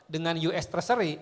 dengan us treasury